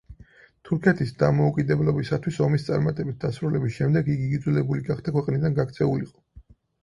თურქეთის დამოუკიდებლობისათვის ომის წარმატებით დასრულების შემდეგ იგი იძულებული გახდა ქვეყნიდან გაქცეულიყო.